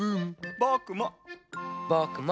ぼくも！